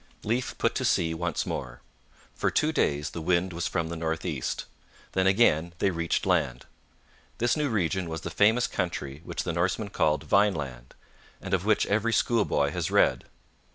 Leif put to sea once more. For two days the wind was from the north east. Then again they reached land. This new region was the famous country which the Norsemen called Vineland, and of which every schoolboy has read.